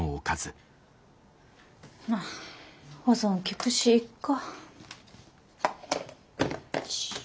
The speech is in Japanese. まあ保存きくしいっか。